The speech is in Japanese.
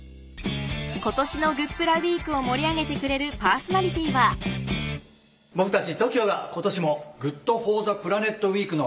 今年のグップラウィークを盛り上げてくれるパーソナリティーはことになりました。